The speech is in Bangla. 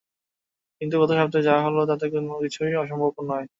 কিন্তু গত সপ্তাহে যা হলো তাতে তো কিছুই অসম্ভব নয়।